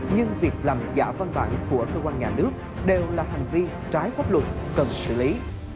nhưng việc làm giả văn bản của cơ quan nhà nước đều là hành vi trái pháp luật cần xử lý